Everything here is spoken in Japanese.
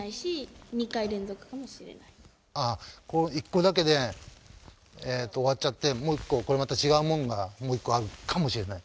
あっこの１個だけで終わっちゃってもう一個これまた違うもんがもう一個あるかもしれない？